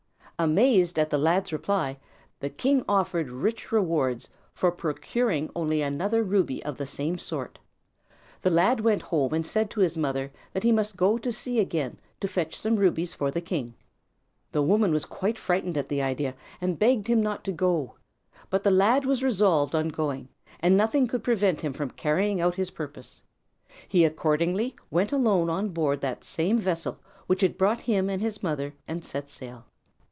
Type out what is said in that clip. Amazed at the lad's reply, the king offered rich rewards for procuring only another ruby of the same sort. The lad went home and said to his mother that he must go to sea again to fetch some rubies for the king. The woman was quite frightened at the idea, and begged him not to go. But the lad was resolved on going, and nothing could prevent him from carrying out his purpose. He accordingly went alone on board that same vessel which had brought him and his mother, and set sail.